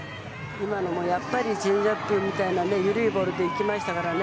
今のもやっぱり、チェンジアップみたいな緩いボールでいきましたからね。